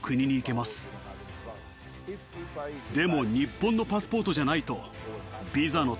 でも日本のパスポートじゃないと。